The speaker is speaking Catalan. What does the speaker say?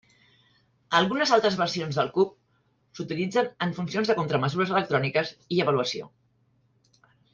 Algunes altres versions del Cub s'utilitzen en funcions de contramesures electròniques i avaluació.